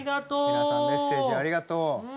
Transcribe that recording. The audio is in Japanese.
皆さんメッセージありがとう！